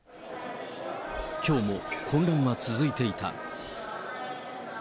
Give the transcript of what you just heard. きょうも混乱は続いていた。